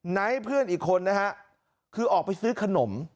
เพื่อนอีกคนนะฮะคือออกไปซื้อขนม